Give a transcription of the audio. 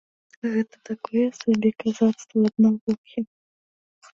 Гэта такое сабе казацтва ад навукі.